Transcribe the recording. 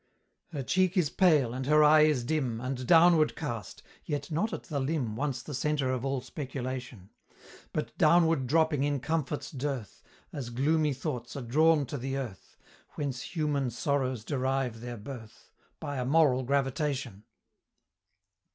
Her cheek is pale, and her eye is dim, And downward cast, yet not at the limb, Once the centre of all speculation; But downward dropping in comfort's dearth, As gloomy thoughts are drawn to the earth Whence human sorrows derive their birth By a moral gravitation.